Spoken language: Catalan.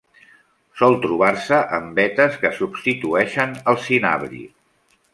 Sol trobar-se en vetes que substitueixen el cinabri.